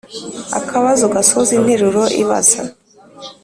akabazo (?): gasoza interuro ibaza.